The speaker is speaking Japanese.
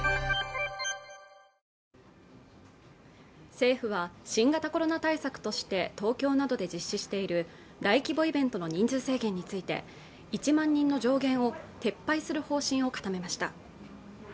政府は新型コロナ対策として東京などで実施している大規模イベントの人数制限について１万人の上限を撤廃する方針を固めました